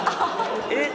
えっ。